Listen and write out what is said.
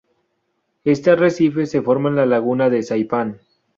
Este arrecife se forma en la laguna de Saipán.